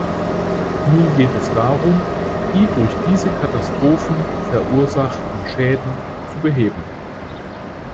Nun geht es darum, die durch diese Katastrophen verursachten Schäden zu beheben.